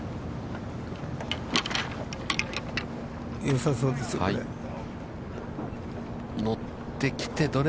よさそうですよ、これ。